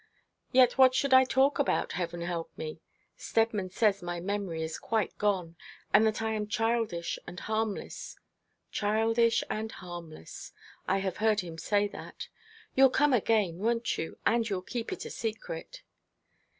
Yet what should I talk about, heaven help me? Steadman says my memory is quite gone, and that I am childish and harmless childish and harmless. I have heard him say that. You'll come again, won't you, and you'll keep it a secret?'